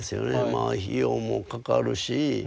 まあ費用もかかるし。